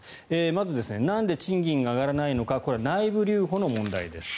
まず、なんで賃金が上がらないのかこれは内部留保の問題です。